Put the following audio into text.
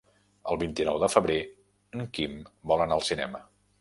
El vint-i-nou de febrer en Quim vol anar al cinema.